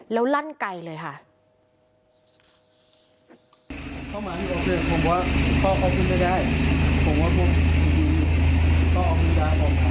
แล้วลั่นไกลเลยค่ะ